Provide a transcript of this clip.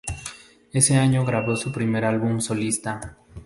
Ese año grabó su primer álbum solista.